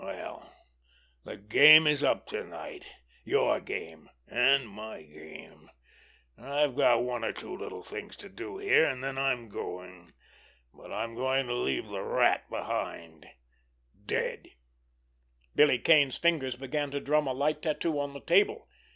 Well, the game is up to night. Your game—and my game! I've got one or two little things to do here, and then I'm going; but I'm going to leave the Rat behind—dead." Billy Kane's fingers began to drum a light tattoo on the table.